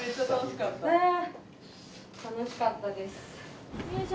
楽しかったです。